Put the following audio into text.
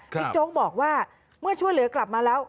โจ๊กบอกว่าเมื่อช่วยเหลือกลับมาแล้ว